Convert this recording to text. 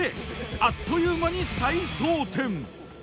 あっという間に再装填。